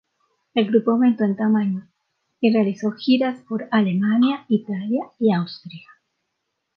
El grupo aumentó en tamaño y realizó giras por Alemania, Italia y Austria.